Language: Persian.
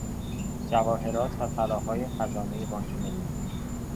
جواهرات و طلاهای خزانهی بانک ملی